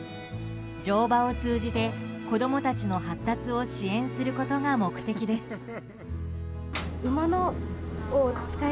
乗馬を通じて、子供たちの発達を支援することが目的です。